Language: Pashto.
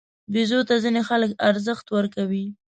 بیزو ته ځینې خلک ارزښت ورکوي.